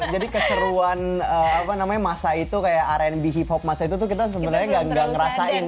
jadi sebenarnya keseruan masa itu kayak rnb hip hop masa itu tuh kita sebenarnya nggak ngerasain